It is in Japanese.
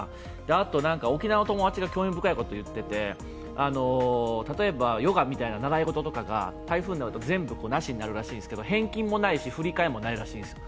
あと沖縄の友達が興味深いことを言ってて、例えばヨガみがいな習い事が台風になると全部なしになるんですけど返金もないし、振り替えもないらしいんですよ。